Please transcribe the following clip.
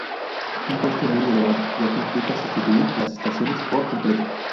Un coste muy elevado ya que implica sustituir las estaciones por completo.